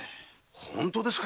本当ですか